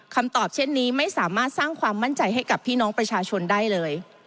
คำตอบเช่นนี้ไม่สามารถสร้างความมั่นใจให้กับพี่น้องประชาชนได้เลย